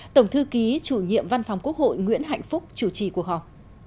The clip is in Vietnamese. tổng thư ký chủ nhiệm văn phòng quốc hội nguyễn hạnh phúc chủ trì cuộc họp